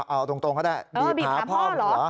เอาตรงก็ได้บีบขาพ่อผมเหรอ